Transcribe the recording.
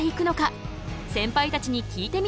センパイたちに聞いてみた。